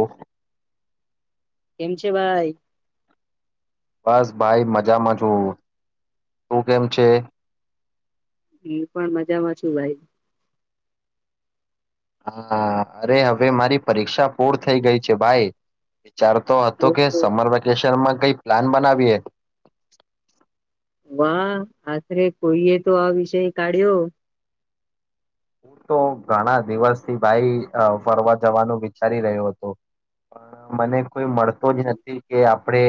ઓ કેમ છે ભાઈ બસ ભાઈ મજામાં છું તું કેમ છે એ પણ મજામાં છું ભાઈ હા અરે હવે મારી પરીક્ષા પૂર્ણ થઈ ગઈ છે ભાઈ વિચાર તો હતો કે ઓ સમર વેકેશનમાં કઈ પ્લાન બનાવીએ વાહ આખરે કોઈએ તો આ વિષય કાઢ્યો હું તો ઘણા દિવસથી ભાઈ ફરવા જવાનું વિચારી રહ્યો હતો પણ મને કોઈ મળતો જ નથી કે આપણે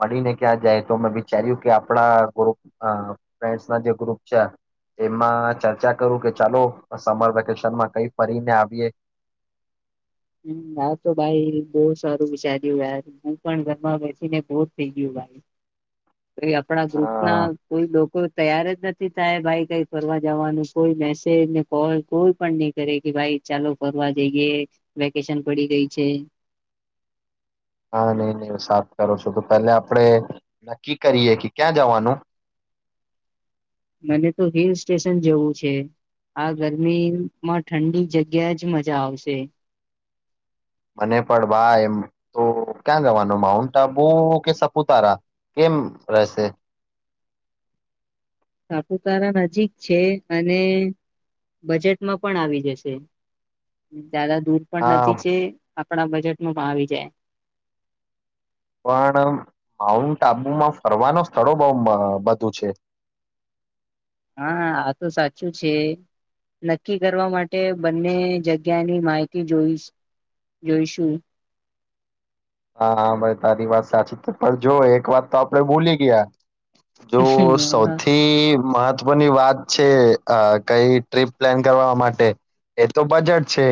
મળીને ક્યાં જાય તો મેં વિચાર્યું કે આપણા ગ્રુપઅ ફ્રેન્ડસ ના જે ગ્રુપ છે એમાં ચર્ચા કરું કે ચાલો સમર વેકેશન માં કઈ ફરીને આવીએ હ હા તો ભાઈ બહુ સારું વિચાર્યું યાર હું પણ ઘરમાં બેસીને બોર થઈ ગયું ભાઈ તો આપણા અ, ગ્રુપ ના કોઈ લોકો તૈયર જ નથી થાય ભાઈ કઈ ફરવા જવાનું કોઈ મેસેજ ને કોલ કોઈ પણ નહી કરે કે ભાઈ ચાલો ફરવા જઈએ વેકેશન પડી ગઈ છે હા નહી નહીં સાફ કરો છો તો પેલા આપડે નક્કી કરીએ કે ક્યાં જવાનું મને તો હિલ સ્ટેશન જેવું છે આ ગરમીમાં ઠંડી જગ્યા જ મજા આવશે મને પણ ભાઈ એમ તો ક્યાં ગવાનું માઉન્ટ આબુ કે સપુતારા કેમ રહેશે સાપુતારા નજીક છે અને બજેટમાં પણ આવી જશે જાદા દૂર પણ હા નથી છે આપણા બજેટમાં પણ આવી જાય પણ માઉન્ટ આબુમાં ફરવાનું સ્થળો બહુ બધું છે હા આ તો સાચું છે નક્કી કરવા માટે બંને જગ્યાની માહિતી જોઈશ જોઈશું હા ભાઈ તારી વાત સાચી પણ જો એક વાત તો આપડે ભૂલી ગયા જો સૌથી મહત મહત્વની વાત છે અ કઈ ટ્રીપ પ્લાન કરવા માટે એ તો બજેટ છે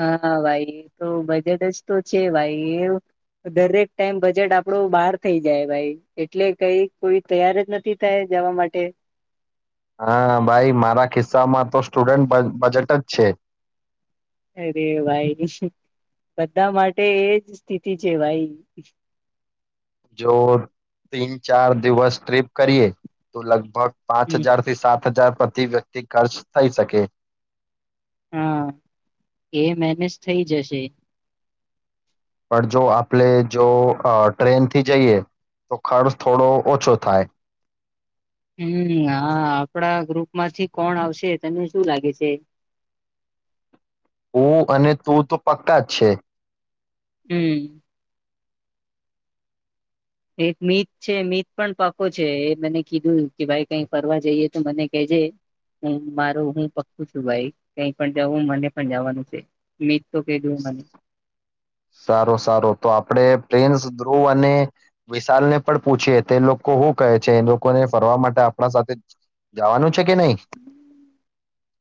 હા ભાઈ તો બજેટ જ તો છે ભાઈ એ દરેક ટાઈમ બજેટ આપડું બહાર થઈ જાય ભાઈ એટલે કઈ કોઈ તૈયાર જ નથી થાય જવા માટે હા ભાઈ મારા ખિસ્સામાં તો સ્ટુડન્ટ બજેટ જ છે અરે ભાઈ બધા માટે એજ સ્થિતિ છે ભાઈ જો તીન ચાર દિવસ ટ્રીપ કરીએ તો લગભગ પાંચ હમ હજાર થી સાત હજાર પ્રતિ વ્યક્તિ ખર્ચ થઈ શકે હા એ મેનેજ થઈ જશે પણ જો આપણે જો અ ટ્રેનથી જઈએ તો ખર્ચ થોડો ઓછો થાય હમ્મ હા આપડા ગ્રુપ માંથી કોણ આવશે તને શું લાગે છે હું અને તું તો પક્કા જ છે હમ એક મીત છે મીત પણ પાકો છે એ મને કીધું કે ભાઈ કઈ ફરવા જઈએ તો મને કેજે હું મારોું હું પક્કું છું ભાઈ કઈ પણ જાઉું મને પણ જવાનું છે મ સારો સારું તો આપડે પ્રેન્સ ધ્રુવ અને વિશાલ ને પણ પૂછી તે લોકો શું કહે છે એ લોકોને ફરવા માટે આપણા સાથે જવાનું છે કે નહી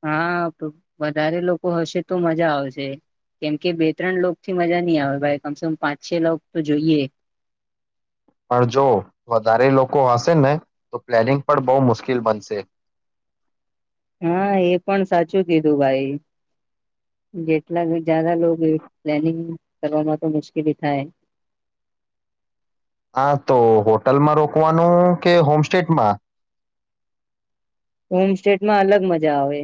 હા વધારે લોકો લોકો હશે તો મજા આવશે કેમકે બે ત્રણ લોક થી મજા નહી આવે ભાઈ કમસે કમ પાંચ છ લોકોક તો જોઈએ પણ જો વધારે લોકો હશે ને તો પ્લેનિંગ પણ બહુ મુશ્કેલ બનશે હા એ પણ સાચું કીધું ભાઈ જેટલા જારા લોકો પ્લાનિંગ કરવામાં તો મુશ્કેલી થાય હા તો હોટલમાં રોકવાનું કે હોમ સેમાં હોમ સ્ટેટમાં અલગ મજા આવે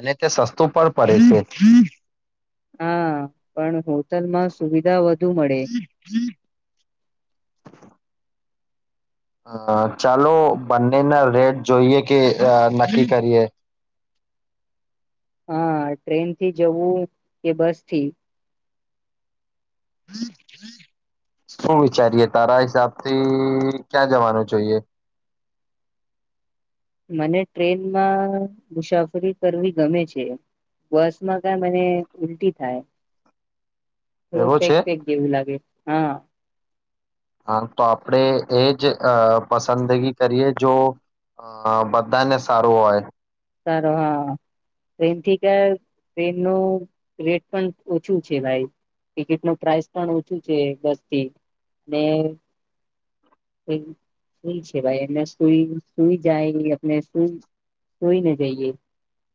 અને તે સસ્તું પણ પડે છે હા પણ હોટલમાં સુવિધા વધુ મળે હ ચાલો બંનેના રેટ જોઈએ કે નક્કી કરીએ હા ટ્રેન થી જવું કે બસ થી શું વિચારીએે તારા હિસાબથી ક્યાં જવાનું જોઈએ મને ટ્રેનમાં મુસાફરી કરવી ગમે છે બસમાં કઈ મને ઉલટી થાય થું એવો પેક છે ફેક હા દેવું લાગે હા હા તો આપણેે એજ પસંદગી કરીએ જો બધાને સારું હોય સારો હા ટ્રેનથી ક ટ્રેન ન રેટ પણ ઓછું છે ભાઈ ટિકિટ ન પ્રઇસ પણ ઓછું છે બસથી સુ છે ભાઈ એ સુઈ સુઈ જાય અને સુ જોઈ ન જઈએ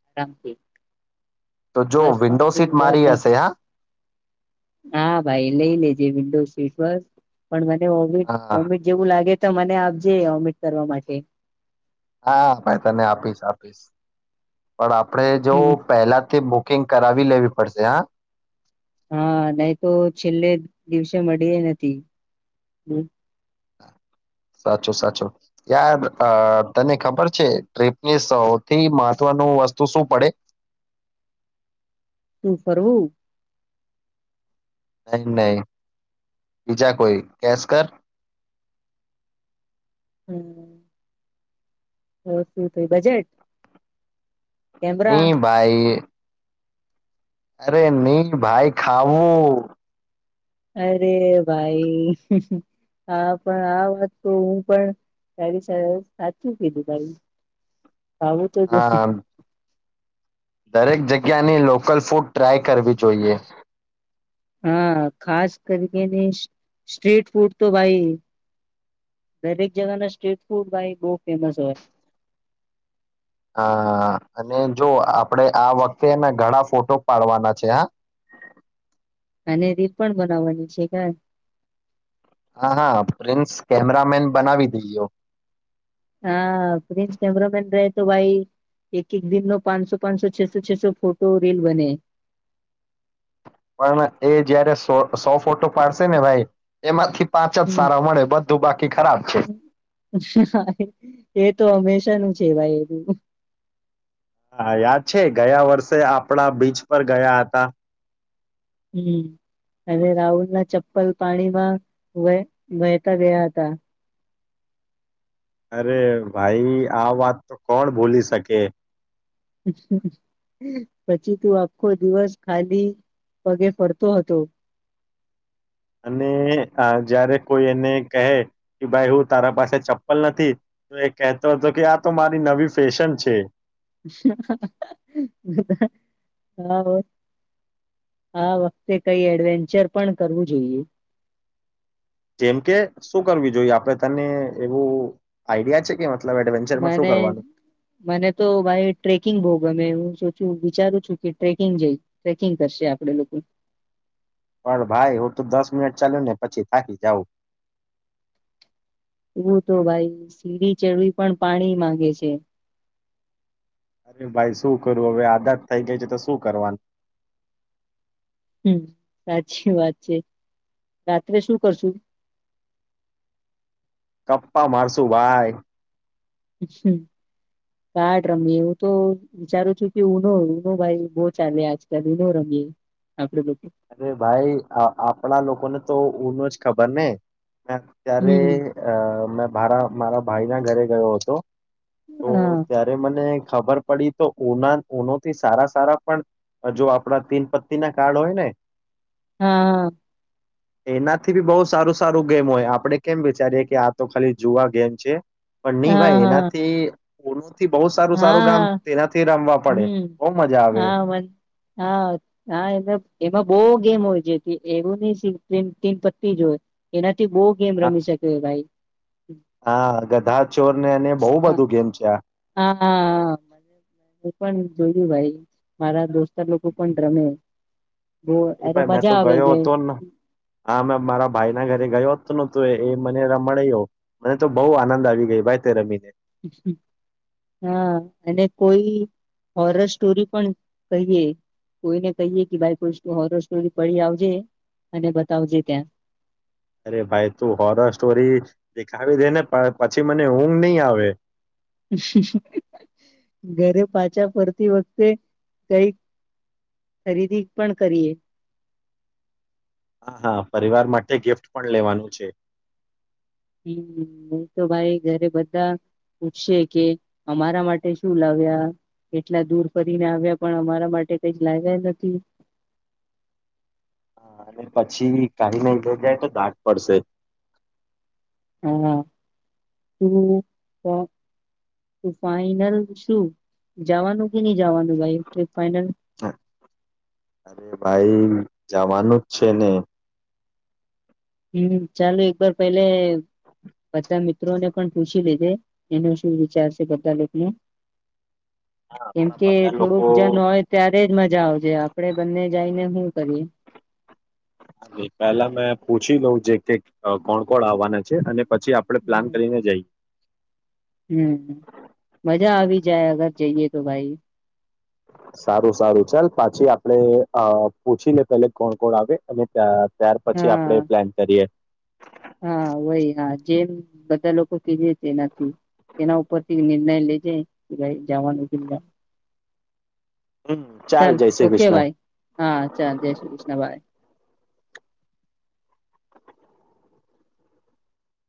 આરામથી તો જો બસ વિન્ડો સીટ મારી હશે હા હા ભાઈ લઈ લેજ વિન્ડો સીટ મિડ હા ઓમિડ જેવું લાગે તો મને આપજે ઓમિટ કરવા માટે હા ભાઈ તને આપીશ આપીશ પણ આપણે જો હમ પહેલાથી બુકિંગ કરાવી લેવી પડશે હા હા નહી તો છેલ્લે દિવસે મળી એ નથી [inaudible] [unintelligible] સાચું સાચું યાર તને ખબર છે ટ્રીપની સૌથી મહત્વનું વસ્તુ શું પડે [unintelligible] તું ફરવું [inaudible] નહી નહી [unintelligible] બીજા કોઈ કેશ કર [unintelligible] [inaudible] કેમરા નહી ભાઈ અરે નહી ભાઈ ખાવું અરે ભાઈ આા પણ આ વાત તો હું પણ તારી સાચું કીધું ત આવું તો જ હા દરેક જગ્યાની લોકલ ફૂડ ટ્રાય કરવી જોઈએ હા ખાસ કરીકેની સ્ટ્રીટ ફૂડ તો ભાઈ દરેક જગના સ્ટ્રીટ ફૂડ ભાઈ બહ ફેમસ હોય હા અને જો આપણેે આ વખતે એના ઘણા ફોટો પાડવાના છે હા અને રી પણ બનાવવાની છે કે [inaudible] હા હા પ્રિન્સ કેમેરામેન બનાવી દઈયો હા પ્રિન્સ કેમેરામેન રહે તો ભાઈ એક એક દિન નો પાંચસો પાંચસો છસો છસો ફોટો રીલ બને પણ એ જયારે સો સો ફોટો પાડશે ને ભાઈ એમાંથી પાંચ જ હમા સારા મળે બધું બાકી ખરાબ છે એ તો હંમેશા શનું છેવાય એવ હા યાદ છે ગયા વર્ષે આપણા બીચ પર ગયા હતા હમ અને રાહુલ ના ચપ્પલ પાણીમાં વ વહેતા ગયા હતા અરે ભાઈ આ વાત તો કોણ ભૂલી શકે પછી તું આખો દિવસ ખાલી પગે ફરતો હતો અને જયારે કોઈ એને કહે કે ભાઈ હું તારા પાસે ચપ્પલ નથી તો એ કહેતો હતો કે આ તો મારી નવી ફેશન છે [unintelligible] આ વખતે કઈ એડવેન્ચર પણ કરવું જોઈએ જેમ કે શું કરવીું જોઈએ આપડે તને એવું આઈડિયા છે કે મતલબ એડવેન્ચરમાં શું મને કરવાનું મને તો ભાઈ ટ્રેકિંગ બહ ગમે એું શ વિચારું છું કે ટ્રેકિંગ જઈ ટ્રેકિંગ કરશે આપડે લોકો પણ ભાઈ હું તો દસ મિનિટ ચાલ્યું ને પછી થાકી જાઉં એવું તો ભાઈ સીડી ચડવી પણ પાણી માંગે છે અરે ભાઈ શું કરું હવે આદત થઈ ગઈ છે તો શું કરવાનું હમ સાચી વાત છે રાત્રે શું કરશુ કપ્પા મારશું ભાઈ [unintelligible] કાડ રમીએ હું તો વિચારું છું કે ઉનો ઉનો ભાઈ બહ ચાલે આજકાલ નો રમીએ આપડે અરે ભાઈ આપણા લોકોને તો ન જ ખબર ને મે અત્યારે હમ અ મે મારા મારા ભાઈ ના ઘરે ગયો હતો તો હા ત્યારે મને ખબર પડી તો ઉના ઉનોથી સારા સારા પણ જો આપણા તીન પત્ની ના કાર્ડ હોય ને હા હા એનાથી બી બહુ સારું સારું ગેમ હોય આપડે કેમ વિચારીએે કે આ તો ખાલી જુવા ગેમ છે પણ નહી હા ભાઈ હા એનાથી ઓ થી બહુ સારું હા સારું ગામ હા તેનાથી રમવા પડે હમ બહ મજા આવે હા મન હા હા એ એમાં બહ ગેમ હોય જે એવું નહ ટીન પતી જ હોય એના થી બહુ ગેમ હા રમી શકે ભાઈ હા ગધા ચોર ને અને બહુ બધું ગેમ છે આ હાું પણ જોયું ભાઈ મારા દોસ્તાર લોકો પણ રમે બો અરે ભાઈ મેં તો મજા આવે ગયો હતો ને હા મે મારા ભાઈ ના ઘરે ગયો હતો નું એ મને ર મળે મને તો બહુ આનંદ આવી ગયો ભાઈ તે રમીને હા અને કોઈ હોરર સ્ટોરી પણ કહીએ કોઈને કહીએ કે ભાઈઈ હોરર સ્ટોરી પડીી આવજે અને બતાવજે ત્યાં અરે ભાઈ તું હોરર સ્ટોરી દેખાવી દે ને પણ પછી મને ઊંઘ નહી આવે ઘરે પાછા ફરતી વખતે કઈક ખરીદી પણ કરીએ હા હા પરિવાર માટે ગિફ્ટ પણ લેવાનું છે હમ હું તો ભાઈ ઘરે બધા પૂછશે કે અમારા માટે શું લાવ્યા કેટલા દૂર ફરીને આવ્યા પણ અમારા માટે કઈ લાવ્યા નથી. હ અને પછી કાઈ નહી થઈ જાય તો દાટ પડશે. હા તું તું ફાઈનલ શું જવાનું કે ન. જાવા દુ ભાઈ ફઇનલ. હા, અરે ભાઈ જવાનું જ છે ને. હમ ચાલુ એક વાર પહેલે બધા મિત્રોને પણ પૂછી લીધે એનો શું વિચાર છે બધા લોકોનો. હા કેમ આપણા કે બધા લોકો થોડુંક જન હોય ત્યારે જ મજા આવજે આપડે બંને જઈને શું કરીએ. પેલા મેં પૂછી લોઉ જે કે કોણ કોણ આવવાના છે અને. પછી આપડણે પ્લાન હમ કરીને જઈએ. હમ મજા આવી જાય અગર. જઈએ તો ભાઈ. સારું સારું ચાલ પાછી આપડે પૂછી લે પેલે કોણ કોણ આવે અને ત્યાં. ત્યાર પછી હા આપડે પ્લાન કરીએ. હા વય હા જેમ બધા લોકો કીધે તેનાથી એના ઉપરથી નિર્ણય લેજે ભાઈ જવાનું. હમ ચાલ જય શ્રી ઓકે કૃષ્ણ ભાઈ હા ચાલ જય શ્રી કૃષ્ણ ભાઈ.